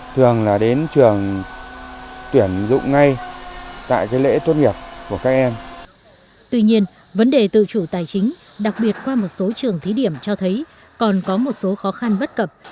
tuy nhiên vấn đề tự chủ tài chính đặc biệt qua một số trường thí điểm cho thấy còn có một số khó khăn bất cập